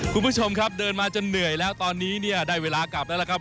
คุณผู้ชมครับเดินมาจนเหนื่อยแล้วตอนนี้เนี่ยได้เวลากลับแล้วล่ะครับ